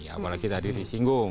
apalagi tadi disinggung